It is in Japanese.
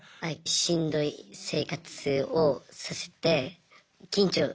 しんどい生活をさせて緊張するように。